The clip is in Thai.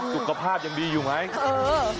สุขภาพยังดีอยู่ไหม